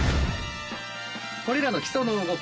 これらの基礎の動き